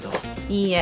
いいえ。